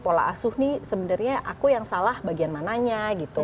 pola asuh nih sebenarnya aku yang salah bagian mananya gitu